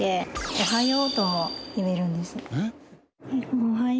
おはよう。